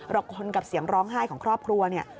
คนกับเสียงร้องไห้ของครอบครัวเนี่ย